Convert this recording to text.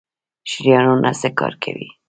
شریانونه څه کار کوي؟